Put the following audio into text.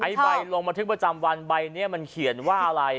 ใบลงบันทึกประจำวันใบนี้มันเขียนว่าอะไร